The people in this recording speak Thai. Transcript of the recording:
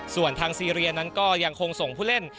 ส่วนทางซีเรียนั้นก็ยังคงส่งผู้เล่น